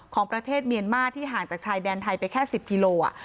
ของประเทศเมียนมาร์ที่ห่างจากชายแดนไทยไปแค่สิบพิโลอ่ะ